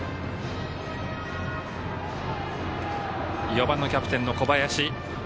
４番のキャプテンの小林。